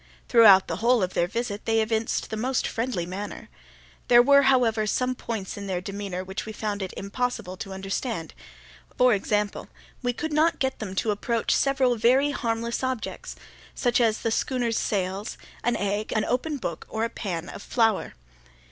Throughout the whole of their visit they evinced the most friendly manner. There were, however, some points in their demeanour which we found it impossible to understand; for example, we could not get them to approach several very harmless objects—such as the schooner's sails, an egg, an open book, or a pan of flour.